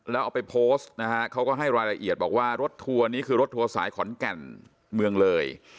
แล้วเอาไปโพสต์นะฮะเขาก็ให้รายละเอียดบอกว่ารถทัวร์นี้คือรถทัวร์สายขอนแก่นเมืองเลย